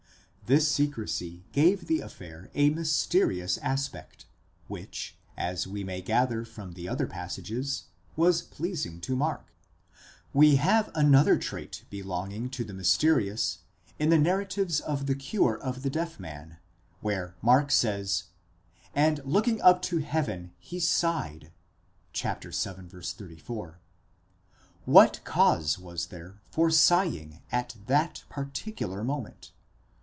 This secrecy gave the affair a mysterious aspect, which, as we may gather from other passages, was pleasing to Mark. We have another trait belonging to the mysterious in the narratives of the cure of the deaf man, where Mark says, And looking up to heaven he sighed (vii. 34). What cause was there for sighing at that particular moment?